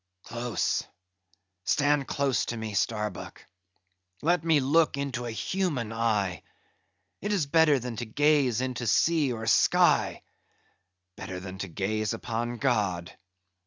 Close! stand close to me, Starbuck; let me look into a human eye; it is better than to gaze into sea or sky; better than to gaze upon God.